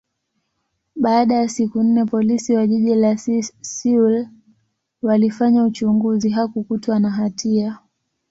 baada ya siku nne, Polisi wa jiji la Seoul walifanya uchunguzi, hakukutwa na hatia.